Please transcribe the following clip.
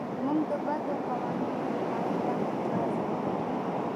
موږ د بدو قوانینو اطاعت ته مجاز نه یو.